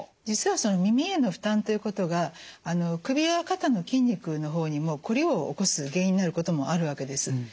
実は耳への負担ということが首や肩の筋肉の方にもコリを起こす原因になることもあるわけです。